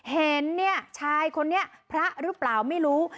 เห็นเนี่ยชายคนนี้พระหรือเปล่าไม่รู้